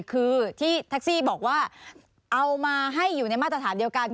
คือที่แท็กซี่บอกว่าเอามาให้อยู่ในมาตรฐานเดียวกัน